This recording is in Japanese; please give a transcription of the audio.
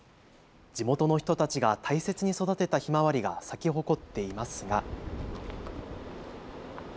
地元の人たちが大切に育てたひまわりが咲き誇っていますが。